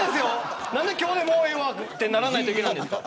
何で今日で、もうええわってならないといけないんですか。